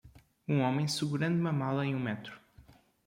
Um homem segurando uma mala em um metrô.